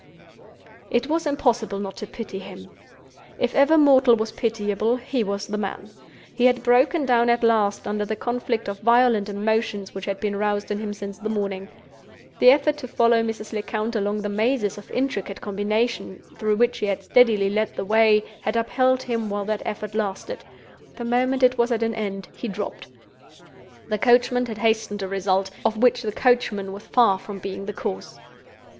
It was impossible not to pity him. If ever mortal was pitiable, he was the man. He had broken down at last, under the conflict of violent emotions which had been roused in him since the morning. The effort to follow Mrs. Lecount along the mazes of intricate combination through which she had steadily led the way, had upheld him while that effort lasted: the moment it was at an end, he dropped. The coachman had hastened a result—of which the coachman was far from being the cause.